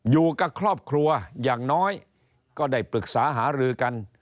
อยู่กับครอบครัวอย่างน้อยก็ได้ปรึกษาหารือกัน